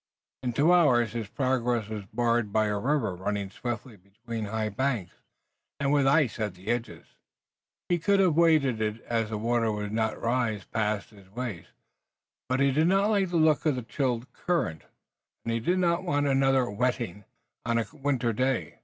In two hours his progress was barred by a river running swiftly between high banks, and with ice at the edges. He could have waded it as the water would not rise past his waist, but he did not like the look of the chill current, and he did not want another wetting on a winter day.